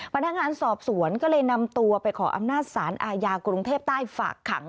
พนักงานสอบสวนก็เลยนำตัวไปขออำนาจสารอาญากรุงเทพใต้ฝากขัง